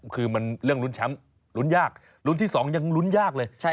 คือมันเรื่องลุ้นแชมป์ลุ้นยากลุ้นที่๒ยังลุ้นยากเลย